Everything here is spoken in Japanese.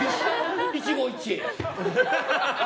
一期一会や。